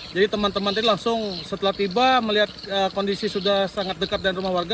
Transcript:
jadi teman teman ini langsung setelah tiba melihat kondisi sudah sangat dekat dan rumah warga